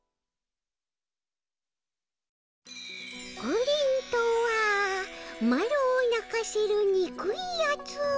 「プリンとはマロをなかせるにくいやつ。